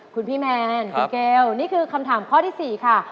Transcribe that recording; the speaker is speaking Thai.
คุณพี่แมนคุณเกลนี่คือคำถามข้อที่๔ค่ะ